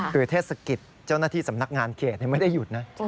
คือเทศกิจเจ้าหน้าที่สำนักงานเขตไม่ได้หยุดนะ